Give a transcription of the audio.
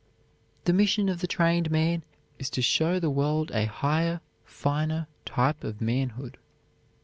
_" The mission of the trained man is to show the world a higher, finer type of manhood.